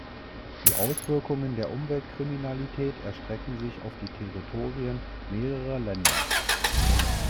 Die Auswirkungen der Umweltkriminalität erstrecken sich auf die Territorien mehrerer Länder.